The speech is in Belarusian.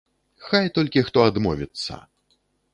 Хай толькі хто адмовіцца!